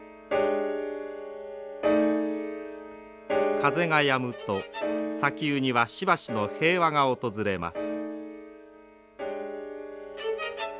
風がやむと砂丘にはしばしの平和が訪れます。